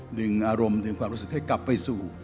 ดึงอารมณ์ดึงความรู้สึกให้กลับไปสู่